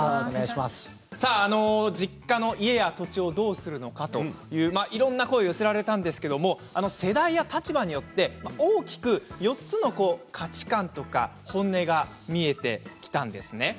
実家の家や土地をどうするのかといういろいろな声が寄せられたんですけれど世代や立場によって大きく４つの価値観とか本音が見えてきたんです。